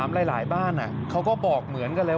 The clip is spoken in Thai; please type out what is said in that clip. กำลังเรียน